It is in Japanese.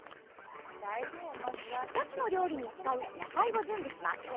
２つの料理に使う野菜を準備します。